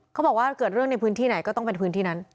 เขาบอกว่าเกิดเรื่องในพื้นที่ไหนก็ต้องเป็นพื้นที่นั้น